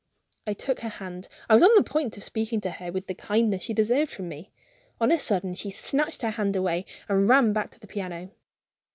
I took her hand; I was on the point of speaking to her with the kindness she deserved from me. On a sudden she snatched her hand away and ran back to the piano.